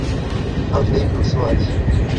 Aldiney Cruz Soares